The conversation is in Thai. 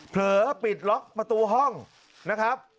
เลิปิดล็อกประตูห้องนะครับ